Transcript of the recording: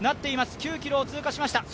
９ｋｍを通過しました。